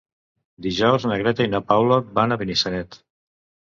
Dijous na Greta i na Paula van a Benissanet.